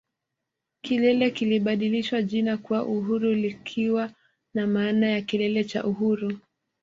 Kilele kilibadilishiwa jina kuwa Uhuru likiwa na maana ya Kilele cha Uhuru